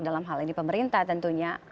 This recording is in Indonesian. dalam hal ini pemerintah tentunya